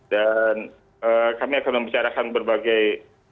dan kami akan membicarakan berbagai